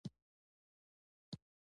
د پښتنو په واده کې نکریزې کول دود دی.